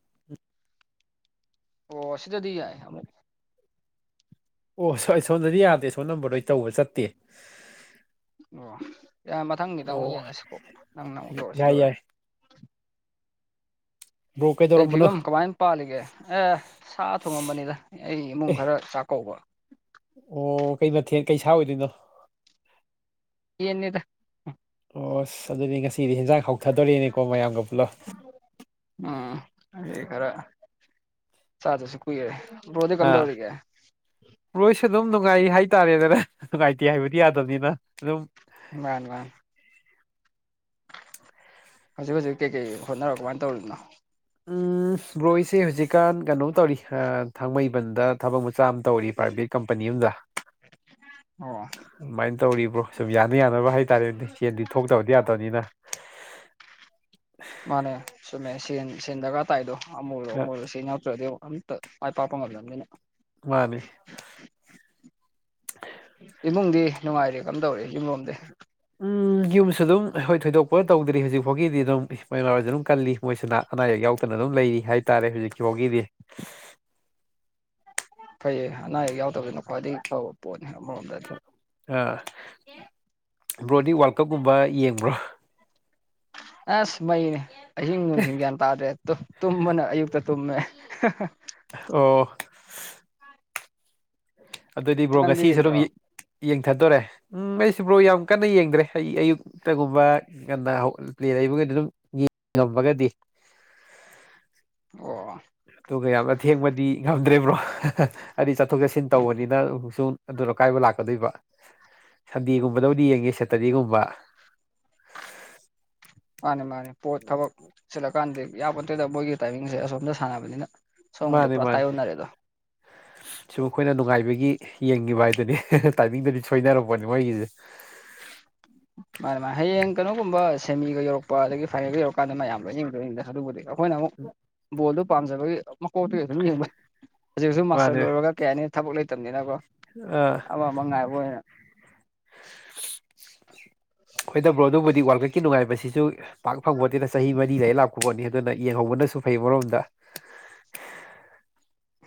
[inaudible] ꯑꯣ ꯁꯤꯗꯗꯤ ꯌꯥꯏ ꯑꯣ ꯁꯣꯟ ꯁꯣꯝꯗꯗꯤ ꯌꯥꯗꯦ ꯁꯣꯝ ꯅꯝꯕꯔꯗꯩ ꯇꯧꯕ ꯆꯠꯇꯦ ꯑꯣ ꯌꯥ ꯃꯊꯪꯗꯤꯗ ꯑꯃꯨꯛ ꯑꯣ ꯌꯦꯡꯉꯁꯤꯀꯣ ꯅꯪꯅ ꯑꯃꯨꯛ ꯇꯧꯔꯁꯤ ꯌꯥꯏ ꯂꯣꯏꯔꯦ ꯌꯥꯏ ꯕ꯭ꯔꯣ ꯀꯩ ꯀꯩꯗꯧꯔꯝꯕꯅꯣ ꯐꯤꯕꯝ ꯀꯃꯥꯏꯅ ꯄꯥꯜꯂꯤꯒꯦ ꯑꯦ ꯁꯥ ꯊꯣꯡꯉꯝꯕꯅꯤꯗ ꯑꯩ ꯏꯃꯨꯡ ꯑꯦ ꯈꯔ ꯆꯥꯛꯀꯧꯕ ꯑꯣ ꯀꯩ ꯅꯊꯦꯟ ꯀꯩ ꯁꯥ ꯑꯣꯏꯗꯣꯏꯅꯣ ꯌꯦꯅꯤꯗ ꯑꯣꯁ ꯑꯗꯨꯗꯤ ꯉꯁꯤꯗꯤ ꯍꯦꯟꯖꯥꯡ ꯍꯥꯎꯊꯗꯣꯔꯦꯅꯦꯀꯣ ꯃꯌꯥꯝꯒ ꯄꯨꯜꯂꯞ ꯎꯝ ꯍ ꯈꯔ ꯆꯥꯗꯁꯨ ꯀꯨꯏꯔꯦ ꯔꯣꯗꯤ ꯀꯝꯗꯧꯔꯤꯒꯦ ꯄꯣꯏꯁꯨ ꯑꯗꯨꯝ ꯅꯨꯡꯉꯥꯏ ꯍꯥꯏꯇꯥꯔꯦꯗꯅ ꯅꯨꯡꯉꯥꯏꯇꯦ ꯍꯥꯏꯕꯗꯤ ꯌꯥꯗꯕꯅꯤꯅ ꯑꯗꯨꯝ ꯋꯥ ꯋꯥ ꯍꯧꯖꯤꯛ ꯍꯧꯖꯤꯛ ꯀꯩꯀꯩ ꯍꯣꯠꯅꯔꯛꯣ ꯀꯃꯥꯏꯅ ꯇꯧꯔꯤꯗꯅꯣ ꯎꯝ ꯕ꯭ꯔꯣꯏꯁꯦ ꯍꯧꯖꯤꯛꯀꯥꯟ ꯀꯩꯅꯣ ꯇꯧꯔꯤ ꯊꯥꯡꯃꯩꯕꯟꯗ ꯊꯕꯛ ꯃꯆꯥ ꯑꯃ ꯇꯧꯔꯤ ꯄ꯭ꯔꯥꯏꯚꯦꯠ ꯀꯝꯄꯅꯤ ꯑꯝꯗ ꯑꯣ ꯑꯗꯨꯃꯥꯏꯅ ꯇꯧꯔꯤꯕ꯭ꯔꯣ ꯁꯨꯝ ꯌꯥꯅ ꯌꯥꯅꯕ ꯍꯥꯏꯇꯥꯔꯦꯗꯤ ꯆꯦꯟꯗꯤ ꯊꯣꯛꯇꯕꯗꯤ ꯌꯥꯗꯕꯅꯤꯅ ꯃꯥꯅꯦ ꯁꯨꯝꯃꯦ ꯁꯦꯟ ꯁꯦꯟ ꯗꯔꯀꯥꯔ ꯇꯥꯏꯗꯣ ꯑꯃꯨꯔꯔꯣ ꯑꯃꯨꯔꯔꯣ ꯁꯤ ꯌꯥꯎꯇ꯭ꯔꯗꯤ ꯑꯝꯇ ꯑꯩ ꯄꯥꯄꯝ ꯑꯣꯏꯗꯅꯤꯅ ꯃꯥꯅꯤ ꯏꯃꯨꯡꯗꯤ ꯅꯨꯡꯉꯥꯏꯔꯦ ꯀꯔꯝ ꯇꯧꯔꯤꯦ ꯌꯨꯝꯂꯣꯝꯗꯤ ꯎꯝ ꯌꯨꯝꯁꯨ ꯑꯗꯨꯝ ꯑꯩꯣꯏ ꯊꯣꯏꯗꯣꯛꯄ ꯇꯧꯗ꯭ꯔꯤ ꯍꯧꯖꯤꯛꯐꯥꯎꯒꯤꯗꯤ ꯑꯗꯨꯝ ꯏꯃ ꯏꯃꯎꯔꯣꯏꯁꯨ ꯑꯗꯨꯝ ꯀꯜꯂꯤ ꯃꯣꯏꯁꯤꯅ ꯑꯅꯥ ꯑꯌꯦꯛ ꯌꯥꯎꯗꯅ ꯑꯗꯨꯝ ꯂꯩꯔꯤ ꯍꯥꯏꯇꯥꯔꯦ ꯍꯧꯖꯤꯛꯀꯤ ꯐꯥꯎꯒꯤꯗꯤ ꯐꯩꯌꯦ ꯑꯅꯥ ꯑꯌꯦꯛ ꯌꯥꯎꯗꯕꯅ ꯈ꯭ꯋꯥꯏꯗꯒꯤ ꯐꯕ ꯄꯣꯠꯅꯤ ꯑꯃꯔꯣꯝꯗꯗꯤ ꯑꯥ ꯕ꯭ꯔꯣꯗꯤ ꯋꯥꯔꯜ ꯀꯞꯀꯨꯝꯕ ꯌꯦꯡꯕ꯭ꯔꯣ ꯑꯁ ꯃꯩꯅꯦ ꯑꯍꯤꯡ ꯅꯨꯡꯊ ꯒ꯭ꯌꯥꯟ ꯇꯥꯗ꯭ꯔꯦ ꯇꯨꯝꯕꯅ ꯑꯌꯨꯛꯇ ꯇꯨꯝꯃꯦ ꯑꯣ ꯑꯗꯨꯑꯣꯏꯗꯤ ꯕ꯭ꯔꯣ ꯅꯪꯗꯤ ꯉꯁꯤꯁꯨ ꯑꯗꯨꯝ ꯌꯦꯡꯗ꯭ꯔꯣ ꯌꯦꯡꯊꯗꯣꯔꯦ ꯎꯝ ꯑꯩꯁꯤꯕ꯭ꯔꯣ ꯌꯥꯝ ꯀꯟꯅ ꯌꯦꯡꯗ꯭ꯔꯦ ꯑꯩ ꯑꯌꯨꯛꯇꯒꯨꯝꯕ ꯀꯟꯅ ꯄ꯭ꯂꯦ ꯂꯩꯕꯒꯗꯤ ꯑꯗꯨꯝ ꯌꯦꯡꯉꯃꯒꯗꯤ ꯑꯣ ꯑꯗꯨꯒ ꯌꯥꯝꯅ ꯑꯊꯦꯡꯕꯗꯤ ꯉꯝꯗ꯭ꯔꯔꯤꯕ꯭ꯔꯣ ꯍꯥꯏꯗꯤ ꯆꯠꯊꯣꯛ ꯆꯠꯁꯤꯟ ꯇꯧꯕꯅꯤꯅ ꯑꯃꯨꯛꯁꯨ ꯑꯗꯨꯅꯣ ꯀꯥꯏꯕ ꯂꯥꯛꯀꯗꯣꯏꯕ ꯁꯟꯗꯦꯒꯨꯝꯕꯗꯕꯨꯗꯤ ꯌꯦꯡꯉꯦ ꯁꯦꯇꯔꯗꯦꯒꯨꯝꯕ ꯃꯥꯅꯦ ꯃꯥꯅꯦ ꯄꯣꯠ ꯊꯕꯛ ꯆꯜꯂꯀꯥꯟꯗ ꯏꯌꯥꯔꯄꯣꯠꯇꯨꯗ ꯃꯣꯏꯒꯤ ꯇꯥꯏꯃꯤꯡꯁꯦ ꯑꯁꯣꯝꯗ ꯁꯥꯟꯅꯕꯅꯤꯅ ꯁꯣꯝꯒꯗꯤ ꯃꯥꯅꯤ ꯄꯨꯔꯥ ꯃꯥꯅꯤ ꯇꯥꯏꯌꯣꯟꯅꯔꯦꯗꯣ ꯁꯤꯨꯝ ꯑꯩꯈꯣꯏꯅ ꯅꯨꯡꯉꯥꯏꯕꯒꯤ ꯌꯦꯡꯉꯤꯕ ꯍꯥꯏꯗꯨꯅꯦ ꯇꯥꯏꯃꯤꯡꯗꯨꯗꯤ ꯁꯣꯏꯅꯔꯛꯄꯅꯦ ꯃꯣꯏꯒꯤꯁ [unintelligible] ꯃꯥꯅꯦ ꯃꯥꯅꯦ ꯍꯌꯦꯡ ꯀꯩꯅꯣꯒꯨꯝꯕꯦꯃꯤꯒ ꯌꯧꯔꯛꯄ ꯑꯗꯒꯤ ꯐꯥꯏꯅꯦꯜꯒ ꯌꯧꯔꯛꯀꯥꯟꯗ ꯃꯌꯥꯝ ꯂꯣꯏꯅꯤꯡꯕ ꯂꯣꯏꯅꯤꯡꯗ ꯑꯗꯨꯕꯨꯗꯤ ꯌꯧꯔꯛꯄ ꯑꯩꯈꯣꯏꯅ ꯑꯃꯨꯛ ꯕꯣꯜꯗꯨ ꯄꯥꯝꯖꯕꯒꯤ ꯃꯀꯣꯛꯇꯨꯒꯤ ꯑꯗꯨꯝ ꯌꯦꯡꯕꯅꯤ ꯍꯧꯖꯤꯛ ꯍꯧꯁꯨ ꯃꯥꯁꯇꯔ ꯂꯣꯏꯔꯒ ꯀꯩ ꯍꯥꯏꯅꯤ ꯊꯕꯛ ꯂꯩꯇꯕꯅꯤꯅꯀꯣ ꯑꯥ ꯑꯋꯥ ꯃꯉꯥꯏꯕꯅ ꯑꯣꯏꯣꯏꯗꯕ꯭ꯔꯣ ꯑꯗꯨꯕꯨꯗꯤ ꯋꯥꯔꯜ ꯀꯞꯀꯤ ꯅꯨꯡꯉꯥꯏꯕꯁꯤꯁꯨ ꯄꯥꯛ ꯐꯪꯕꯣꯠꯇꯅ ꯆꯍꯤ ꯃꯔꯤ ꯂꯩ ꯂꯥꯛꯄꯣꯠꯅꯤ ꯑꯗꯨꯅ ꯌꯦꯡꯍꯧꯕꯅꯁꯨ ꯐꯩ ꯃꯔꯣꯝꯗ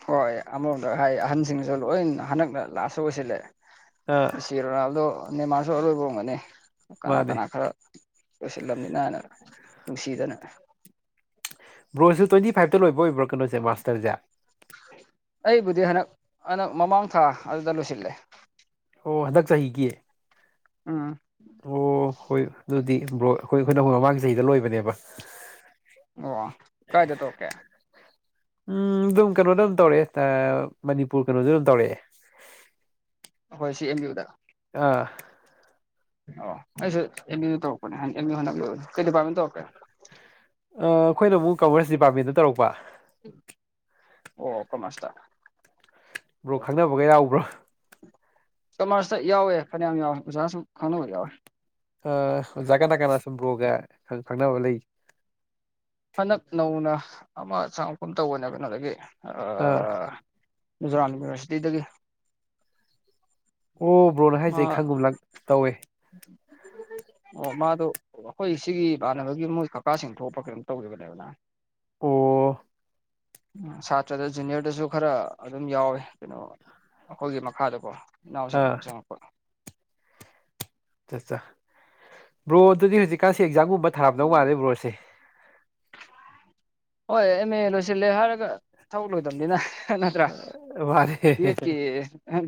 ꯍꯣꯏ ꯑꯃꯔꯣꯝꯗ ꯍꯥꯏ ꯑꯍꯟꯁꯤꯡꯁꯨ ꯂꯣꯏ ꯍꯟꯗꯛꯅ ꯂꯥꯁꯁꯨ ꯑꯣꯏꯁꯤꯜꯂꯑꯦ ꯑꯥ ꯆꯦꯔꯣꯅꯥꯥꯜꯗꯣ ꯅꯦꯃꯥꯔꯁꯨ ꯑꯔꯣꯏꯕꯝꯒꯅꯤ ꯀꯅꯥ ꯃꯥꯅꯦ ꯀꯅꯥ ꯈꯔ ꯂꯣꯏꯁꯤꯜꯂꯝꯅꯤ ꯅꯥꯅ ꯅꯨꯡꯁꯤꯗꯅ ꯕ꯭ꯔꯣꯟꯖꯁꯨ ꯇ꯭ꯋꯦꯟꯇꯤ ꯐꯥꯏꯚ ꯂꯣꯏꯕ ꯑꯣꯏꯕ꯭ꯔ ꯀꯣꯁꯦ ꯃꯥꯁꯇꯔꯁꯦ ꯑꯩꯕꯨꯗꯤ ꯍꯟꯗꯛ ꯍꯟꯛ ꯃꯃꯥꯡ ꯊꯥ ꯑꯗꯨꯗ ꯂꯣꯏꯁꯤꯜꯂꯦ ꯑꯣ ꯍꯟꯗꯛ ꯆꯍꯤꯒꯤ ꯎꯝ ꯑꯣ ꯍꯣꯏ ꯑꯗꯨꯗꯤ ꯕ꯭ꯔꯣꯛ ꯑꯩꯈꯣꯏ ꯑꯩꯈꯣꯏꯅ ꯑꯩꯈꯣꯏ ꯃꯃꯥꯡꯒꯤ ꯆꯍꯤꯗ ꯂꯣꯏꯕꯅꯦꯕ ꯑꯣ ꯀꯖ ꯇ ꯑꯣꯀꯦ ꯎꯝ ꯑꯗꯨꯝ ꯀꯩꯅꯣꯗ ꯑꯗꯨꯝ ꯇꯧꯔꯛꯑꯦ ꯃꯅꯤꯄꯨꯔ ꯀꯩꯅꯣꯗ ꯑꯗꯨꯝ ꯇꯧꯔꯛꯑꯦ ꯍꯣꯏ ꯁꯤ ꯑꯦꯝ ꯨꯗ ꯑꯥ ꯑꯣ ꯑꯩꯁꯨ ꯑꯦꯝ ꯑꯦ ꯇꯧꯔꯛꯄꯅꯦ ꯑꯦꯝ ꯑꯦ ꯍꯕ ꯀꯔꯤ ꯗꯤꯄꯥꯔꯠꯃꯦꯟ ꯇꯧꯛꯀꯦ ꯑꯩꯈꯣꯏꯅ ꯑꯃꯨꯛ ꯀꯃꯔꯁ ꯗꯤꯄꯥꯔꯠꯃꯦꯟꯗ ꯇꯧꯔꯛꯄ ꯑꯣ ꯀꯃꯁꯇ ꯕ꯭ꯔꯣ ꯈꯪꯗꯅꯕꯒ ꯌꯥꯎꯕ꯭ꯔꯣ ꯀꯃꯔꯁꯇ ꯌꯥꯎꯋꯦ ꯐꯅꯌꯥꯝ ꯌꯥꯎꯋꯦ ꯑꯣꯖꯥꯁꯨ ꯈꯪꯅꯕ ꯌꯥꯎꯋꯦ ꯑ ꯑꯣꯖꯥ ꯀꯅꯥ ꯀꯅꯥ ꯁꯨꯝ ꯭ꯔꯣꯒ ꯈꯪꯅꯕ ꯂꯩ ꯍꯟꯗꯛ ꯅꯧꯅ ꯑꯃ ꯆꯥꯡ ꯃꯐꯝ ꯇꯧꯕꯅꯦ ꯀꯩꯅꯣꯗꯒꯤ ꯑꯥ ꯨꯖꯣꯔꯥꯠ ꯌꯨꯅꯤꯚꯔꯁꯤꯇꯤꯗꯒꯤ ꯑꯣ ꯕ꯭ꯔꯣꯅ ꯃꯥ ꯍꯥꯏꯖꯩ ꯑꯩ ꯈꯪꯒꯨꯝ ꯂꯪ ꯇꯧꯋꯦ ꯑꯣ ꯃꯥꯗꯣ ꯑꯩꯈꯣꯏ ꯁꯤꯒꯤ ꯏꯃꯥꯟꯅꯕꯒꯤ ꯃꯣꯏ ꯀꯀꯥꯁꯤꯡ ꯊꯣꯛꯄ ꯀꯔꯤꯝ ꯇꯧꯒꯤꯕꯅꯦꯕ ꯅ ꯑꯣ ꯁꯥꯇ꯭ꯔꯥꯗ ꯖꯨꯅꯤꯌꯔꯗꯁꯨ ꯈꯔ ꯑꯗꯨꯝ ꯌꯥꯎꯋꯦ ꯀꯩꯅꯣ ꯑꯩꯈꯣꯏꯒꯤ ꯃꯈꯥꯗꯀꯣ ꯏꯅꯥꯎꯁꯤꯡ ꯑꯥ ꯑꯗꯨꯝ ꯆꯪꯉꯛꯄ ꯑꯠꯆꯥ ꯆꯥ ꯕ꯭ꯔꯣ ꯑꯗꯨꯗꯤ ꯍꯧꯖꯤꯛꯀꯥꯟꯁꯤ ꯑꯦꯛꯖꯥꯝꯒꯨꯝꯕ ꯊꯥꯔꯝꯗꯧ ꯃꯥꯜꯂꯦ ꯕ꯭ꯔꯣꯁꯦ ꯍꯣꯏ ꯑꯦꯝ ꯑꯦ ꯂꯣꯏꯁꯤꯜꯂꯦ ꯍꯥꯏꯔꯒ ꯊꯕꯛ ꯂꯣꯏꯗꯕꯅꯤꯅ ꯅꯠꯇ꯭ꯔꯥ ꯃꯥꯅꯦ ꯄꯤ ꯍꯩꯁ ꯀꯤ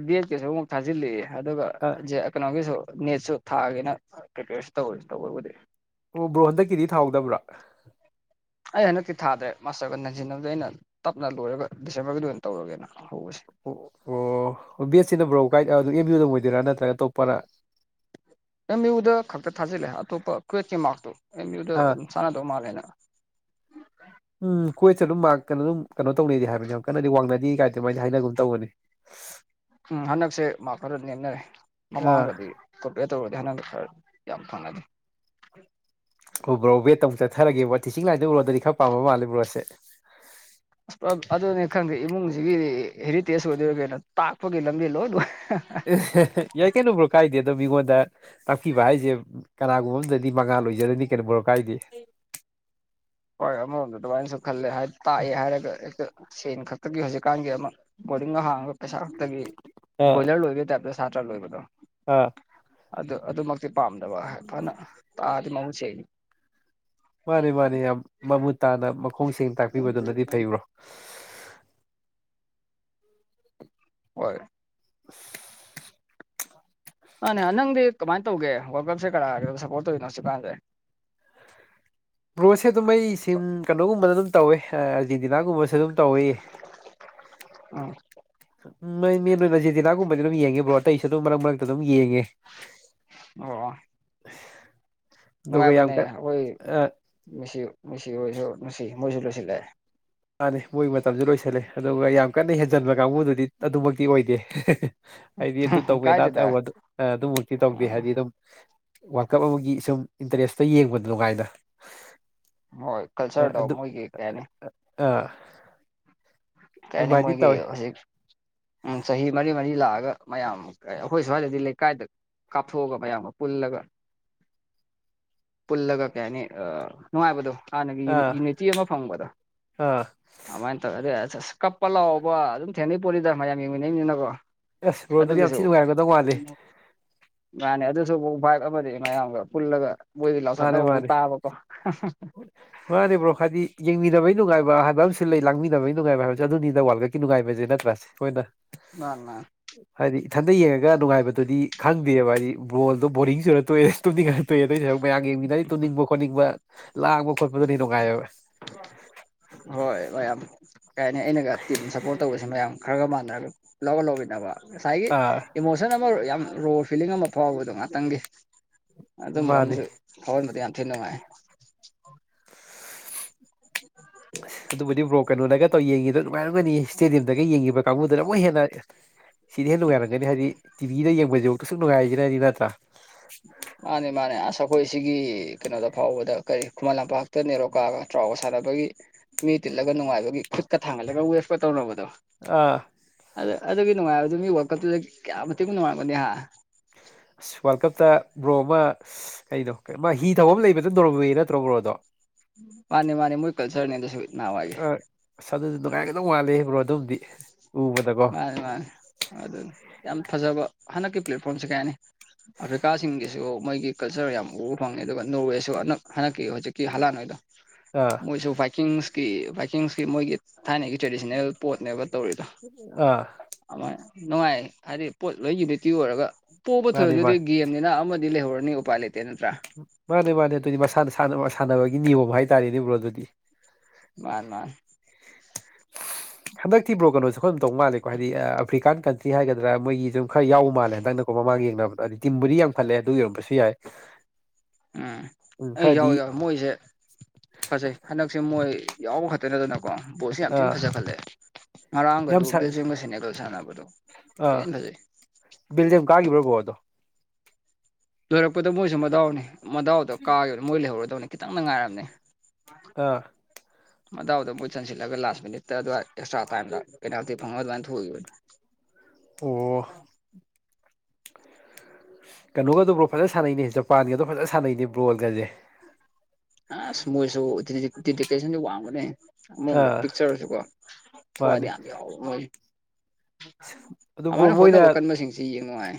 ꯕꯤ ꯑꯦꯠ ꯀꯤꯁꯨ ꯑꯃꯨꯛ ꯊꯥꯖꯤꯜꯂꯦ ꯑꯗꯨꯒ ꯑ ꯀꯩꯅꯣꯒꯤꯁꯨ ꯅꯦꯠꯁꯨ ꯊꯥꯒꯦꯅ ꯄ꯭ꯔꯤꯄꯤꯌꯔꯁꯨ ꯇꯧꯔꯤ ꯇꯧꯕꯕꯨꯗꯤ ꯑꯣ ꯕ꯭ꯔꯣ ꯍꯣꯟꯗꯀꯤꯗꯤ ꯊꯥꯍꯧꯗꯕ꯭ꯔꯣ ꯑꯩ ꯍꯟꯗꯛꯇꯤ ꯊꯥꯗ꯭ꯔꯦ ꯃꯥꯁꯇꯔꯒ ꯅꯟꯁꯤꯟꯅꯕꯗ ꯑꯩꯅ ꯇꯞꯅ ꯂꯣꯏꯔꯒ ꯗꯤꯁꯦꯝꯕꯔꯒꯤꯗꯣ ꯑꯣꯏꯅ ꯇꯧꯔꯒꯦꯅ ꯍꯧꯕꯁꯦ ꯑꯣ ꯑꯣ ꯕꯦꯠꯁꯤꯅ ꯕ꯭ꯔꯣ ꯒꯥꯏꯗ ꯑꯗꯨ ꯑꯦꯝ ꯌꯨ ꯗꯥ ꯑꯣꯏꯗꯣꯏꯔꯥ ꯅꯠꯇ꯭ꯔꯒ ꯑꯇꯣꯞꯄꯔꯥ ꯑꯦꯝ ꯌꯨꯗ ꯈꯛꯇ ꯊꯥꯖꯤꯜꯂꯦ ꯑꯇꯣꯞꯄ ꯀ꯭ꯋꯦꯠꯀꯤ ꯃꯥꯔꯛꯇꯣ ꯑꯦꯝ ꯌꯨꯗ ꯑꯥ ꯑꯗꯨꯝ ꯆꯥꯟꯅꯗꯧ ꯃꯥꯜꯂꯦꯅ ꯎꯝ ꯀ꯭ꯋꯦꯠꯁꯦ ꯑꯗꯨꯝ ꯃꯥꯔꯛ ꯀꯩꯅꯣ ꯑꯗꯨꯝ ꯀꯩꯅꯣ ꯇꯧꯅꯩꯗꯤ ꯍꯥꯏꯕꯅꯤ ꯌꯥꯝ ꯀꯟꯅꯥꯗꯤ ꯋꯥꯡꯅꯗꯦ ꯀꯥꯏꯗꯤ ꯃꯣꯏꯅ ꯍꯥꯏꯅꯒꯨꯝ ꯇꯧꯕꯅꯤ ꯎꯝ ꯍꯟꯗꯛꯁꯦ ꯃꯥꯛ ꯈꯔ ꯅꯦꯝꯅꯔꯦ ꯑꯥ ꯃꯃꯥꯡꯒꯗꯤ ꯀꯣꯝꯄꯤꯌꯥꯔ ꯇꯧꯔꯨꯔꯗꯤ [unintelligible] ꯌꯥꯝ ꯐꯪꯅꯗꯦ ꯑꯣ ꯕ꯭ꯔꯣ ꯕꯦꯠ ꯇꯥ ꯑꯃꯨꯛ ꯆꯠꯊꯔꯒꯦꯕ ꯇꯤꯆꯤꯡ ꯂꯥꯏꯟꯗꯥ ꯕꯔꯣꯗꯥꯗꯤ ꯈꯔ ꯄꯥꯝꯕ ꯃꯥꯜꯂꯦꯕ꯭ꯔꯣꯁꯦ ꯑꯗꯨꯅꯤ ꯈꯪꯗꯦ ꯏꯃꯨꯡꯖꯤꯒꯤꯗꯤ ꯍꯦꯔꯤꯇꯦꯖ ꯑꯣꯏꯗꯣꯏꯔ ꯀꯩꯅꯣ ꯇꯥꯛꯄꯒꯤ ꯂꯝꯕꯤ ꯂꯣꯏ ꯂꯣꯏ ꯌꯥꯏ ꯀꯩꯅꯣ ꯕ꯭ꯔꯣ ꯀꯥꯏꯗꯦ ꯑꯗꯣ ꯃꯤꯉꯣꯟꯗ ꯇꯥꯛꯄꯤꯕ ꯍꯥꯏꯖꯦ ꯀꯅꯥꯒꯨꯝꯕ ꯑꯝꯗꯗꯤ ꯃꯉꯥꯜ ꯑꯣꯏꯖꯔꯅꯤ ꯀꯩꯅꯣꯕ꯭ꯔꯣ ꯀꯥꯏꯗꯦ ꯍꯣꯏ ꯑꯃꯔꯣꯝꯗ ꯑꯗꯨꯃꯥꯏꯅꯁꯨ ꯈꯜꯂꯦ ꯍꯥꯏ ꯇꯥꯛꯑꯦ ꯍꯥꯏꯔꯒ ꯍꯦꯛꯇ ꯁꯦꯟ ꯈꯛꯇꯒꯤ ꯍꯧꯖꯤꯛꯀꯥꯟꯒꯤ ꯑꯃ ꯕꯣꯔꯗꯤꯡꯒ ꯍꯥꯡꯉꯒ ꯄꯩꯁꯥ ꯈꯛꯇꯒꯤ ꯑꯥ ꯕꯣꯏꯂꯔ ꯂꯣꯏꯕꯒꯤ ꯇꯥꯏꯞꯇ ꯁꯇ꯭ꯔꯥ ꯂꯣꯏꯕꯗꯣ ꯑꯥ ꯑꯗꯨ ꯑꯗꯨꯃꯛꯇꯤ ꯄꯥꯝꯗꯕ ꯍꯥꯏ ꯐꯅ ꯇꯥꯗꯤ ꯃꯃꯨꯠ ꯁꯦꯡ ꯃꯥꯅꯦ ꯃꯥꯅꯦ ꯌꯥꯝ ꯃꯃꯨꯠ ꯇꯥꯅ ꯃꯈꯣꯡ ꯁꯦꯡ ꯇꯥꯛꯄꯤꯕꯗꯨꯅꯗꯤ ꯐꯩ ꯕ꯭ꯔꯣ ꯍꯣꯏ [inaudible] ꯃꯥꯅꯦ ꯅꯪꯗꯤ ꯀꯃꯥꯏꯟ ꯇꯧꯒꯦ ꯋꯥꯔꯜ ꯀꯞꯁꯦ ꯀꯔꯒ ꯁꯞꯄꯣꯔꯠ ꯇꯧꯔꯤꯅꯣ ꯁꯤꯀꯥꯟꯖꯦ ꯕ꯭ꯔꯣꯁꯦ ꯑꯗꯨꯝ ꯑꯩꯁꯤꯝ ꯀꯩꯅꯣꯒꯨꯝꯕꯗ ꯑꯗꯨꯝ ꯇꯧꯋꯦ ꯑꯥꯔꯖꯦꯟꯇꯤꯅꯥꯒꯨꯝꯕꯁꯨ ꯑꯗꯨꯝ ꯇꯧꯋꯤ ꯎꯝ ꯎꯝ ꯃꯩ ꯃꯦꯟ ꯑꯣꯏꯅ ꯑꯥꯔꯖꯦꯟꯇꯤꯅꯥꯥꯒꯨꯝꯕꯗꯤ ꯑꯗꯨꯝ ꯌꯦꯡꯉꯦ ꯕ꯭ꯔꯣ ꯑꯇꯩꯁꯨ ꯑꯗꯨꯝ ꯃꯔꯛ ꯃꯔꯛꯇ ꯑꯗꯨꯝ ꯌꯦꯡꯉꯦ ꯑꯣ ꯑꯗꯨꯒ ꯌꯥꯝ ꯀꯟ ꯑꯥ ꯃꯤꯁꯤ ꯃꯤꯁꯤ ꯍꯣꯏꯁꯨ ꯅꯨꯡꯁꯤ ꯃꯣꯏꯁꯨ ꯂꯣꯏꯁꯤꯂꯥꯛꯑꯦ ꯃꯥꯅꯤ ꯃꯣꯏꯒꯤ ꯃꯇꯝꯖꯨ ꯂꯣꯏꯁꯜꯂꯦ ꯑꯗꯨꯒ ꯌꯥꯝ ꯀꯟꯅ ꯍꯦꯟꯖꯟꯕ ꯀꯥꯡꯕꯨꯗꯨꯗꯤ ꯑꯗꯨꯃꯛꯇꯤ ꯑꯣꯏꯗꯦ ꯑꯩꯗꯤ ꯑꯗꯨ ꯇꯧꯋꯦ ꯗꯥ ꯀꯥꯏꯗꯦꯗ ꯑꯗꯨꯃꯛꯇꯤ ꯇꯧꯗꯦ ꯎꯝ ꯍꯥꯏꯗꯤ ꯑꯗꯨꯝ ꯋꯥꯜꯀꯞ ꯑꯃꯒꯤ ꯁꯨꯝ ꯏꯟꯇꯔꯦꯁꯇ ꯌꯦꯡꯕꯗ ꯅꯨꯡꯉꯥꯏꯅ ꯍꯣꯏ ꯀꯜꯆꯔꯗꯣ ꯑꯗꯨ ꯃꯣꯏꯒꯤ ꯀꯩ ꯍꯥꯏꯅꯤ ꯑꯥ ꯀꯩꯍꯥꯏꯅꯤ ꯑꯗꯨꯃꯥꯏꯅꯗꯤ ꯃꯣꯏꯒꯤ ꯇꯧꯋꯤ ꯍꯧꯖꯤꯛ ꯎꯝ ꯆꯍꯤ ꯃꯔꯤ ꯃꯔꯤ ꯂꯥꯛꯑꯒ ꯃꯌꯥꯝ ꯀꯩ ꯑꯩꯈꯣꯏ ꯁ꯭ꯋꯥꯏꯗꯗꯤ ꯂꯩꯀꯥꯏꯗ ꯀꯥꯞꯊꯣꯛꯑꯒ ꯃꯌꯥꯝꯒ ꯄꯨꯜꯂꯒ ꯄꯨꯜꯂꯒ ꯀꯩ ꯍꯥꯏꯅꯤ ꯅꯨꯡꯉꯥꯏꯕꯗꯣ ꯍꯥꯟꯅꯒꯤ ꯑꯥ ꯌꯨꯅꯤꯇꯤ ꯑꯃ ꯐꯪꯕꯗꯣ ꯑꯥ ꯑꯗꯨꯃꯥꯏꯅ ꯇꯧꯔꯒ ꯑꯗꯨꯗꯤ ꯑꯁ ꯑꯁ ꯀꯞꯄ ꯂꯥꯛꯑꯣꯕ ꯑꯗꯨꯝ ꯊꯦꯡꯅꯩ ꯄꯣꯠꯅꯤꯗ ꯃꯌꯥꯝ ꯌꯦꯡꯃꯤꯟꯅꯩꯅꯤꯅꯀꯣ ꯑꯦꯁ ꯕ꯭ꯔꯣ ꯑꯗꯨꯗꯤ ꯌꯥꯝ ꯑꯗꯨꯒꯤꯁꯨ ꯊꯤ ꯅꯨꯡꯉꯥꯏꯔꯝꯒꯗꯧ ꯃꯥꯜꯂꯤ ꯃꯥꯅꯦ ꯑꯗꯨꯁꯨ ꯑꯃꯨꯛ ꯚꯥꯏꯞ ꯑꯃꯅꯤ ꯃꯌꯥꯝꯒ ꯄꯨꯜꯂꯒ ꯃꯣꯏꯗꯤ ꯃꯥꯅꯦ ꯂꯥꯎꯊꯠꯅꯕ ꯃꯣꯏ ꯃꯥꯅꯦ ꯇꯥꯕꯀꯣ ꯃꯥꯅꯦ ꯕ꯭ꯔꯣ ꯍꯥꯏꯗꯤ ꯌꯦꯡꯃꯤꯟꯅꯕꯒꯤ ꯅꯨꯡꯉꯥꯏꯕ ꯍꯥꯏꯕ ꯑꯃꯁꯨ ꯂꯩ ꯂꯥꯡꯃꯤꯟꯅꯕꯒꯤ ꯅꯨꯡꯉꯥꯏꯕ ꯍꯥꯏꯕꯁꯨ ꯑꯗꯨꯅꯤꯗ ꯋꯥꯠꯂꯀꯞ ꯀꯤ ꯅꯨꯡꯉꯥꯏꯕꯖꯦ ꯅꯠꯇ꯭ꯔꯥꯁꯦ ꯍꯣꯏꯗ ꯃꯥꯅꯥ ꯍꯥꯏꯗꯤ ꯏꯊꯟꯗ ꯌꯦꯡꯉꯒ ꯅꯨꯡꯉꯥꯏꯕꯗꯨꯗꯤ ꯈꯪꯗꯦꯕ ꯍꯥꯏꯗꯤ ꯕꯣꯜꯗꯣ ꯕꯣꯔꯤꯡꯁꯨꯨꯔ ꯇꯣꯛꯑꯦ ꯇꯨꯝꯅꯤꯡꯉꯅꯤ ꯇꯨꯏ ꯑꯗꯨꯏ ꯁꯔꯨꯛ ꯃꯌꯥꯝ ꯌꯦꯡꯃꯤꯟꯅꯩ ꯇꯨꯝꯅꯤꯡꯕ ꯈꯣꯠꯅꯤꯡꯕ ꯂꯥꯡꯕ ꯈꯣꯠꯄꯗꯨꯅ ꯍꯦꯟꯅ ꯅꯨꯡꯉꯥꯏꯕ ꯍꯣꯏ ꯃꯌꯥꯝ ꯀꯩ ꯍꯥꯏꯅꯤ ꯑꯩꯅꯒ ꯇꯤꯝ ꯁꯞꯄꯣꯔꯠ ꯇꯧꯕꯁꯦ ꯃꯌꯥꯝ ꯈꯔꯒ ꯃꯥꯟꯅꯔꯒ ꯂꯧꯔ ꯂꯧꯃꯤꯟꯅꯕ ꯉꯁꯥꯏꯒꯤ ꯑꯥ ꯏꯃꯣꯁꯟ ꯑꯃ ꯌꯥꯝ ꯔꯣ ꯐꯤꯂꯤꯡ ꯑꯃ ꯐꯥꯎꯕꯗꯣ ꯉꯥꯛꯇꯪꯒꯤ ꯑꯗꯨꯝꯕ ꯃꯥꯅꯤ ꯑꯃꯁꯨ ꯐꯥꯎꯍꯟꯕꯗꯨ ꯌꯥꯝ ꯊꯤ ꯅꯨꯡꯉꯥꯏ [inaudible] ꯑꯗꯨꯕꯨꯗꯤ ꯕ꯭ꯔꯣ ꯀꯩꯅꯣꯗꯒ ꯇꯧ ꯌꯦꯡꯉꯤꯗꯣ ꯑꯨꯡꯉꯥꯏꯅꯔꯝꯒꯅꯤ ꯏꯁꯇꯦꯗꯤꯌꯝꯗꯒ ꯌꯦꯡꯉꯤꯕ ꯀꯥꯡꯕꯨꯗꯨꯅ ꯑꯃꯨꯛ ꯍꯦꯟꯅ ꯁꯤꯗꯩ ꯍꯦꯟꯅ ꯅꯨꯡꯉꯥꯏꯔꯝꯒꯅꯤ ꯍꯥꯏꯗꯤ ꯇꯤꯚꯤꯗ ꯌꯦꯡꯕꯁꯤꯐꯥꯎ ꯁꯨꯛ ꯅꯨꯡꯉꯥꯏꯁꯤꯅꯗꯤ ꯅꯠꯇ꯭ꯔꯥ [unintelligible] ꯃꯥꯅꯦ ꯃꯥꯅꯦ ꯑꯁ ꯑꯩꯈꯣꯏ ꯁꯤꯒꯤ ꯀꯩꯅꯣꯗ ꯐꯥꯎꯕꯗ ꯀꯔꯤ ꯈꯨꯃꯟ ꯂꯝꯄꯥꯛꯇ ꯅꯦꯔꯣꯀꯥꯒ ꯇ꯭ꯔꯥꯎꯒ ꯁꯥꯟꯅꯕꯗ ꯃꯤ ꯇꯤꯠꯂꯒ ꯅꯨꯡꯉꯥꯏꯕꯒꯤ ꯈꯨꯠꯀ ꯊꯥꯡꯒꯠꯂꯒ ꯋꯦꯕꯀ ꯇꯧꯅꯕꯗꯣ ꯑꯥ ꯑ ꯑꯗꯨꯒꯤ ꯅꯨꯡꯉꯥꯏꯕ ꯑꯗꯨ ꯃꯤꯒꯤ ꯀꯞꯇꯨꯗ ꯀꯌꯥ ꯃꯇꯤꯛ ꯅꯨꯡꯉꯥꯏꯔꯝꯒꯅꯤ ꯍꯥ ꯑꯁ ꯋꯥꯔꯜ ꯀꯞꯇ ꯕ꯭ꯔꯣ ꯑꯃ ꯀꯩꯅꯣ ꯃꯥ ꯍꯤ ꯊꯧꯕ ꯑꯃ ꯂꯩꯕꯗꯣ ꯅꯣꯔꯋꯦ ꯅꯠꯇ꯭ꯔꯣ ꯕ꯭ꯔꯣ ꯑꯗꯣ ꯃꯥꯅꯦ ꯃꯥꯅꯦ ꯃꯣꯏ ꯀꯜꯆꯔꯅꯦ ꯑꯗꯨꯁꯨ ꯅꯍꯥꯟꯋꯥꯏꯒꯤ ꯑꯥ ꯑꯁ ꯑꯗꯨꯁꯨ ꯅꯨꯡꯉꯥꯏꯔꯝꯒꯗꯧ ꯃꯥꯂꯦ ꯕ꯭ꯔꯣ ꯑꯗꯨꯝꯗꯤ ꯎꯕꯗꯀꯣ ꯃꯥꯅꯤ ꯃꯥꯅꯤ ꯑꯗꯨꯅꯤ ꯌꯥꯝ ꯐꯖꯕ ꯍꯟꯗꯛꯀꯤ ꯄ꯭ꯂꯦꯠꯐꯣꯝꯁꯦ ꯀꯩ ꯍꯥꯏꯅꯤ ꯑꯐ꯭ꯔꯤꯀꯥꯁꯤꯡꯒꯤꯁꯨ ꯃꯣꯏꯒꯤ ꯀꯜꯆꯔ ꯌꯥꯝ ꯎꯕ ꯐꯪꯉꯦ ꯑꯗꯨꯒ ꯅꯣꯔꯋꯦꯁꯨ ꯍꯟꯗꯛ ꯍꯟꯗꯛꯀꯤ ꯍꯧꯖꯤꯛꯀꯤ ꯍꯂꯥꯟ ꯍꯣꯏꯗꯣ ꯑꯥ ꯃꯣꯏꯁꯨ ꯕꯥꯏꯛꯀꯤꯡꯁꯀꯤ ꯕꯥꯏꯛꯀꯤꯡꯁꯀꯤ ꯃꯣꯏꯒꯤ ꯊꯥꯏꯅꯒꯤ ꯇ꯭ꯔꯦꯗꯤꯁꯅꯦꯜ ꯄꯣꯠꯅꯦꯕ ꯇꯧꯔꯤꯗꯣ ꯑꯥ ꯅꯨꯡꯉꯥꯏ ꯍꯥꯏꯗꯤ ꯄꯣꯠ ꯂꯣꯏ ꯌꯨꯅꯤꯇꯤ ꯑꯣꯏꯔꯒ ꯄꯣꯕ ꯊꯣꯏꯕ ꯃꯥꯅꯦ ꯑꯗꯨꯗꯤ ꯃꯥꯅꯦ ꯒꯦꯝ ꯒꯦꯝꯅꯤꯅ ꯑꯃꯗꯤ ꯂꯩ ꯍꯧꯔꯅꯤ ꯎꯄꯥꯥꯏ ꯂꯩꯇꯦ ꯅꯠꯇ꯭ꯔꯥ ꯃꯥꯅꯦ ꯃꯥꯅꯦ ꯑꯗꯨꯗꯤ ꯃꯁꯥ ꯃꯁꯥꯅ ꯁꯥꯟꯅꯕꯒꯤ ꯅꯤꯌꯣꯝ ꯍꯥꯏꯇꯥꯔꯅꯦ ꯕ꯭ꯔꯣ ꯑꯗꯨꯗꯤ ꯃꯥꯅꯦ ꯃꯥꯅꯦ ꯍꯟꯗꯛꯇꯤ ꯕ꯭ꯔꯣ ꯀꯩꯅꯣꯁꯦ ꯈꯔꯗꯨꯝ ꯇꯧꯃꯥꯂꯦꯀꯣ ꯍꯥꯏꯗꯤ ꯑꯐ꯭ꯔꯤꯀꯥꯟ ꯀꯟꯇ꯭ꯔꯤ ꯍꯥꯏꯒꯗ꯭ꯔꯥ ꯃꯣꯏꯒꯤ ꯁꯨꯝ ꯈꯔ ꯌꯥꯎꯕ ꯃꯥꯜꯂꯦ ꯍꯟꯗꯛꯅꯀꯣ ꯃꯃꯥꯡ ꯌꯦꯡꯅꯕꯗꯣ ꯑꯗꯨꯗꯤ ꯇꯤꯝꯕꯨꯗꯤ ꯌꯥꯝ ꯈꯠꯂꯦ ꯑꯗꯨꯒꯤ ꯑꯣꯏꯔꯝꯕꯁꯨ ꯌꯥꯏ ꯎꯝ ꯎꯝ ꯑꯩ ꯈꯔꯗꯤ ꯌꯥꯎꯏꯤ ꯌꯥꯎꯏ ꯃꯣꯏꯁꯦ ꯐꯖꯩ ꯍꯟꯗꯛꯁꯦ ꯃꯣꯏ ꯌꯥꯎꯕ ꯈꯛꯇ ꯅꯠꯇꯅ ꯀꯣ ꯕꯣꯜꯁꯦ ꯌꯥꯝ ꯊꯤꯅ ꯑꯥ ꯐꯖꯈꯠꯂꯛꯑꯦ ꯉꯔꯥꯡꯒꯗꯣ ꯌꯥꯝ ꯁꯥ ꯕꯦꯜꯖꯝꯒ ꯁꯩꯅꯦꯒꯜꯒ ꯁꯥꯟꯅꯕꯗꯣ ꯊꯤ ꯐꯖꯩ ꯕꯦꯜꯖꯤꯑꯝ ꯀꯥꯈꯤꯕ꯭ꯔꯕꯣ ꯕ꯭ꯔꯣ ꯑꯗꯨ ꯂꯣꯏꯔꯛꯄꯗ ꯃꯣꯏꯁꯨ ꯃꯗꯥꯎꯅꯤ ꯃꯗꯥꯎꯗꯣ ꯀꯥꯈꯤꯕꯅꯤ ꯃꯣꯏ ꯂꯩꯍꯧꯔꯗꯧꯅꯤ ꯈꯤꯇꯪꯗ ꯉꯥꯏꯔꯕꯅꯤ ꯑꯥ ꯃꯗꯥꯎꯗ ꯃꯣꯏ ꯆꯟꯁꯤꯜꯂꯒ ꯂꯥꯁ ꯃꯤꯅꯤꯠꯇ ꯑꯗꯨꯋꯥꯏ ꯑꯦꯁꯇ꯭ꯔꯥ ꯇꯥꯏꯝꯗ ꯄꯦꯅꯥꯏꯜꯇꯤ ꯐꯪꯉꯒ ꯑꯗꯨꯃꯥꯏꯅ ꯊꯣꯛꯏꯈꯤꯕꯅꯦ ꯑꯣ ꯀꯩꯅꯣꯒꯗꯣ ꯕ꯭ꯔꯣ ꯐꯖ ꯁꯥꯟꯅꯩꯅꯦ ꯖꯄꯥꯟꯒꯗꯣ ꯐꯖꯅ ꯁꯥꯟꯅꯩꯅꯦ ꯕꯣꯜꯒꯁꯦ ꯑꯁ ꯃꯣꯏꯁꯨ ꯗꯤ [unintelligible] ꯋꯥꯡꯕꯅꯦꯍꯦ ꯑꯃꯔꯣꯝꯗ ꯑꯥ ꯄꯤꯛꯆꯔꯁꯨ ꯀꯣ ꯊꯋꯥꯏꯗꯤ ꯃꯥꯅꯦ ꯌꯥꯝ ꯌꯥꯎꯕꯅꯤ ꯑꯗꯨ ꯕ꯭ꯔꯣ ꯑꯗꯨꯃꯥꯏꯅ ꯍꯣꯠꯅꯕ ꯃꯣꯏꯅ ꯀꯟꯕꯁꯤꯡꯁꯤ ꯌꯦꯡꯕ ꯅꯨꯡꯉꯥꯏ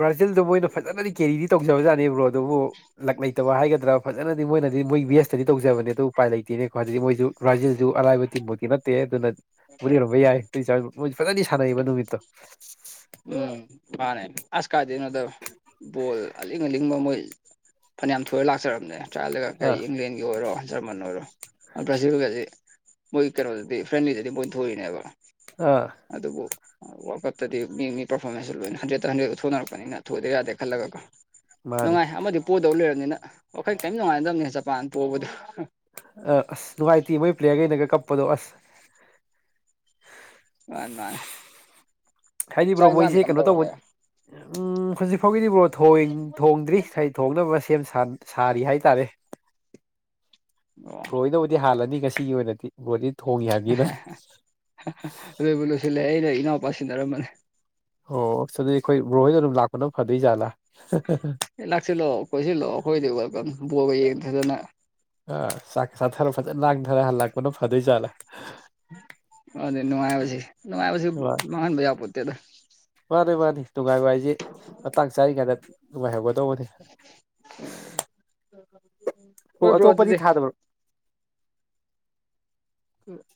ꯕ꯭ꯔꯥꯖꯤꯜꯗꯣ ꯃꯣꯏꯅ ꯐꯖꯅꯗꯤ ꯀꯦꯔꯤꯗꯤ ꯇꯧꯖꯕꯖꯥꯅꯦ ꯕ꯭ꯔꯣ ꯑꯗꯨꯕꯨ ꯂꯛ ꯂꯩꯇꯕ ꯍꯥꯏꯒꯗ꯭ꯔꯥ ꯐꯖꯅꯗꯤ ꯃꯣꯏꯅꯗꯤ ꯃꯣꯏ ꯕꯦꯁ ꯇꯗꯤ ꯇꯧꯖꯕꯅꯦ ꯑꯗꯨ ꯎꯄꯥꯏ ꯂꯩꯇꯦꯅꯦꯀꯣ ꯑꯗꯨ ꯃꯣꯏꯁꯨ ꯕ꯭ꯔꯥꯏꯖꯤꯜꯗꯨ ꯑꯔꯥꯏꯕ ꯇꯤꯝꯕꯨꯇꯤ ꯅꯠꯇꯦ ꯑꯗꯨꯅ [unintelligible] ꯃꯣꯏ ꯐꯖꯅꯗꯤ ꯁꯥꯟꯅꯩꯕ ꯅꯨꯃꯤꯠꯇꯣ ꯎꯝ ꯃꯥꯅꯦ ꯑꯁ ꯀꯥꯏꯗꯩꯅꯣꯗ ꯕꯣꯜ ꯑꯂꯤꯡ ꯑꯂꯤꯡꯕ ꯃꯣꯏ ꯐꯅꯌꯥꯝ ꯊꯣꯏꯔ ꯂꯥꯛꯆꯔꯕꯅꯦ ꯇ꯭ꯔꯥꯏꯌꯦꯜꯗꯒ ꯑꯥ ꯀꯩ ꯏꯪꯂꯦꯟꯒꯤ ꯑꯣꯏꯔꯣ ꯆꯞꯃꯟꯅꯔ ꯕꯥꯔꯖꯤꯜꯒꯖꯦ ꯃꯣꯏ ꯀꯩꯅꯣꯗꯗꯤ ꯐ꯭ꯔꯦꯟꯂꯤꯗꯗꯤ ꯃꯣꯏ ꯊꯣꯏꯔꯤꯅꯦꯕ ꯑꯥ ꯑꯗꯨꯕꯨ ꯋꯜꯀꯞꯇꯗꯤ ꯃꯤ ꯃꯤ ꯄꯔꯐꯣꯔꯃꯦꯟꯁꯁꯨ ꯂꯣꯏꯅ ꯍꯟꯗ꯭ꯔꯦꯗ ꯍꯟꯗ꯭ꯔꯦꯗ ꯎ ꯊꯣꯛꯅꯔꯛꯄꯅꯤꯅ ꯊꯣꯏꯗ ꯌꯥꯗꯦ ꯈꯜꯂꯒꯀꯣ ꯃꯥꯅꯦ ꯅꯨꯡꯉꯥꯏ ꯑꯃꯗꯤ ꯄꯣꯗꯧ ꯂꯩꯔꯕꯅꯤꯅ ꯋꯥꯈꯜ ꯀꯔꯤꯝ ꯅꯨꯡꯉꯥꯏꯅꯗꯕꯅꯤ ꯖꯄꯥꯟ ꯄꯣꯕꯗꯨ ꯑ ꯑꯁ ꯅꯨꯡꯉꯥꯏꯇꯦ ꯃꯣꯏ ꯄ꯭ꯂꯦꯌꯔꯒꯩꯅꯒ ꯀꯞꯄꯗꯣ ꯑꯁ [unintelligible] ꯍꯥꯏꯗꯤ ꯕ꯭ꯔꯣ ꯆꯥꯛ ꯏꯟꯖꯥꯡꯗꯤ ꯃꯣꯏꯁꯦ ꯀꯝ ꯀꯩꯅꯣ ꯇꯧꯕ ꯇꯧꯔꯒꯦ ꯎꯝ ꯍꯧꯖꯤꯛꯐꯥꯎꯒꯤꯗꯤ ꯕꯔꯣ ꯊꯣꯡ ꯊꯣꯡꯗ꯭ꯔꯤ꯫ ꯊꯣꯡꯅꯕ ꯁꯦꯝ ꯁꯥꯔꯤ ꯍꯥꯏꯇꯔꯦ꯫ ꯑꯣ ꯂꯣꯏꯅꯕꯨꯗꯤ ꯍꯥꯜꯂꯅꯤ ꯉꯁꯤꯒꯤ ꯑꯣꯏꯅꯗꯤ ꯗꯤ ꯊꯣꯡꯉꯤ ꯍꯥꯏꯅꯤꯅ꯫ ꯂꯣꯏꯕꯨ ꯂꯣꯏꯁꯤꯜꯂꯦ ꯑꯩꯩꯅ ꯏꯅꯥꯎꯄꯥ ꯁꯤꯟꯅꯔꯝꯕꯅꯦ꯫ ꯑꯣ ꯑꯗꯨꯗꯩ ꯑꯩꯈꯣꯏ ꯕ ꯍꯣꯏꯅ ꯑꯗꯨꯝ ꯂꯥꯛꯄꯅꯝ ꯐꯗꯣꯏ ꯖꯥꯠꯂꯥ [unintelligible] ꯑꯦ ꯂꯥꯛꯁꯤꯜꯂꯛꯑꯣ ꯀꯣꯏꯁꯤꯜꯂꯛꯑꯣ ꯑꯩꯈꯣꯏꯗꯤ ꯋꯦꯜꯀꯝ ꯕꯣꯒ ꯌꯦꯡꯗꯗꯅ ꯑ ꯆꯥꯛ ꯆꯊꯔ ꯐꯖꯅ ꯅꯥꯥꯡꯊꯔ ꯍꯜꯂꯛꯄꯅ ꯐꯗꯣꯏ ꯖꯥꯠꯂ꯫ ꯑꯗꯨ ꯅꯨꯡꯉꯥꯏꯕꯁꯤ ꯅꯨꯡꯉꯥꯏꯕꯁꯤ ꯃꯥꯅꯤ ꯃꯥꯡꯍꯟꯕ ꯌꯥ ꯄꯣꯠꯇꯦꯗ ꯃꯥꯅꯤ ꯃꯥꯅꯤ ꯅꯨꯡꯉꯥꯏꯕ ꯍꯥꯏꯁꯦ ꯃꯇꯥꯡ ꯆꯥꯔꯤꯉꯩꯗ ꯅꯨꯡꯉꯥꯏꯍꯧꯒꯗꯧꯕꯅꯦ꯫ [unintelligible] ꯑꯣ ꯍꯣꯏ ꯕ꯭ꯔꯣ ꯑꯇꯣꯞꯄꯗꯤ ꯑꯗꯨꯗꯤ ꯊꯥꯗꯕ꯭ꯔꯣ꯫ [unintelligible]